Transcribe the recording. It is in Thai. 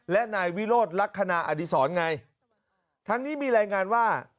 และนายวิโรธลักษณะอดีศรไงทั้งนี้มีรายงานว่า